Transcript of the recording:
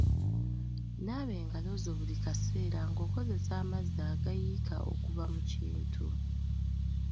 Naaba engalo zo buli kaseera ng’okozesa amazzi agayiika okuva mu kintu.